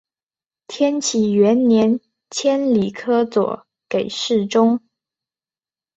天启元年迁礼科左给事中。